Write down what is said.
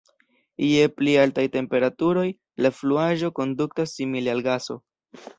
Je pli altaj temperaturoj, la fluaĵo kondutas simile al gaso.